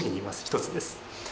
一つです。